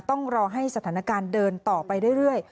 ต้องรอให้สถานการณ์เดินต่อไปเรื่อย